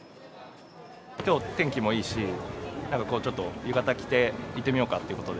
きょう天気もいいし、こうちょっと、浴衣着て、行ってみようかということで。